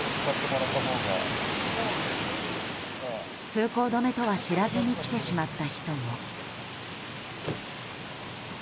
通行止めとは知らずに来てしまった人も。